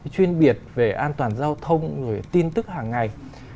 chuyên biệt về an toàn giao thông rồi tin tức hàng ngày